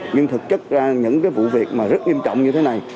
nhưng thực chất ra những cái vụ việc mà rất nghiêm trọng như thế này